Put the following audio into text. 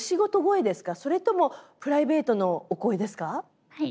それともプライベートのお声ですか？